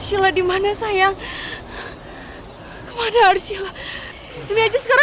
ya aku mau lo liat dulu